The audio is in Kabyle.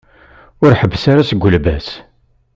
Ur ḥebbes ara seg ulbas.